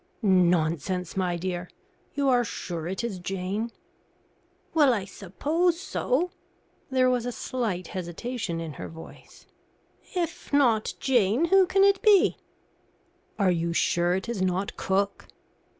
"Nonsense, my dear. You are sure it is Jane?" "Well I suppose so." There was a slight hesitation in her voice. "If not Jane, who can it be?" "Are you sure it is not cook?"